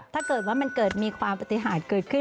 ถ้าเกิดว่ามันเกิดมีความปฏิหารเกิดขึ้น